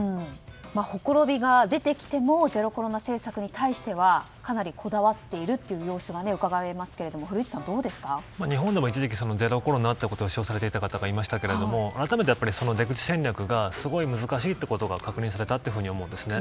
ほころびが出てきてもゼロコロナ政策に対してはかなりこだわっているという様子がうかがえますが日本でも一時期ゼロコロナということを主張されていた方がいらっしゃいましたけど改めて出口戦略がすごい難しいことが確認されたと思うんですね。